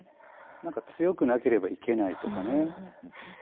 何か強くなければいけないとかね